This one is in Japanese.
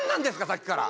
さっきから。